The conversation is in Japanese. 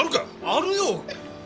あるよ！